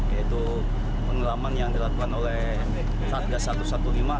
yaitu penenggelaman yang dilakukan oleh satgas satu ratus lima belas